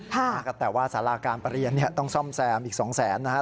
แต่ว่าสาราการประเรียนเนี่ยต้องซ่อมแซมอีกสองแสนนะครับ